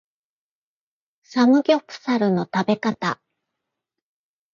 サムギョプサルの食べ方